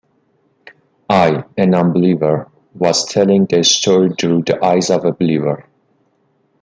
I, a non-believer, was telling the story through the eyes of a believer.